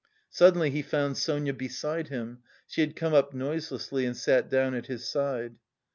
Suddenly he found Sonia beside him; she had come up noiselessly and sat down at his side.